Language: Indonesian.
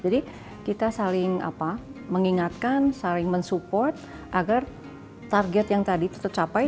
jadi kita saling mengingatkan saling mensupport agar target yang tadi tetap tercapai